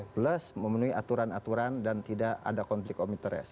plus memenuhi aturan aturan dan tidak ada konflik omikres